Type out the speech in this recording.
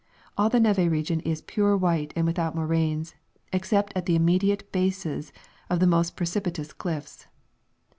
All the neve region is pure white and without moraines, except at the immediate bases of the most precipitous cliffs.